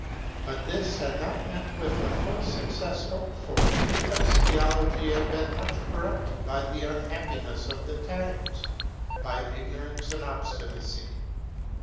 But this had not met with the full success hoped for, because theology had been much corrupted by the unhappiness of the times, by ignorance and obstinacy.